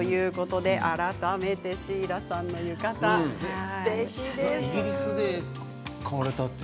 改めてシーラさんの浴衣すてきですね。